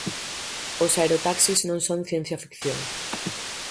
Os aerotaxis non son ciencia ficción.